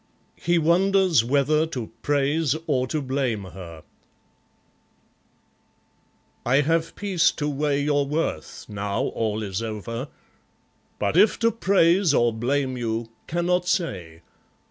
He Wonders Whether to Praise or to Blame Her I have peace to weigh your worth, now all is over, But if to praise or blame you, cannot say.